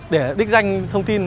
để đích danh thông tin